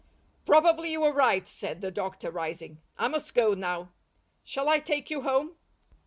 "Probably you are right," said the doctor, rising. "I must go now. Shall I take you home?"